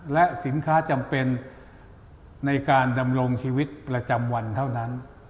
และสินค้าจำเป็นในการดำรงชีวิตประจำวันเท่านั้น